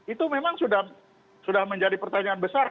itu memang sudah menjadi pertanyaan besar